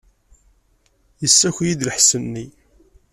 Yessaki-iyi-d lḥess-nni.